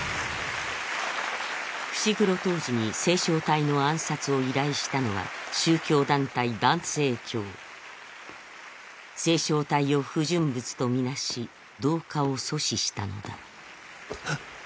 伏黒甚爾に星漿体の暗殺を依頼したのは宗教団体「盤星教」星漿体を不純物と見なし同化を阻止したのだはっ！